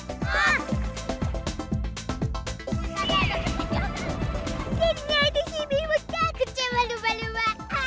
kayaknya ada hidup muka kecewa lupa lupa